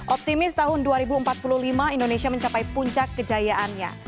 optimis tahun dua ribu empat puluh lima indonesia mencapai puncak kejayaannya